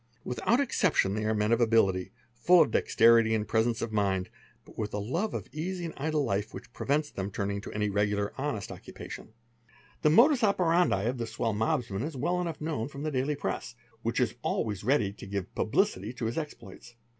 Without exception they are m of ability, full of dexterity and presence of mind, but with a love of | easy and idle life which prevents them turning to any regular and hone |:|||| i i occupation. ee The modus operandi of the swell mobsman is well enough kno from the daily press, which is always ready to give publicity to — exploits.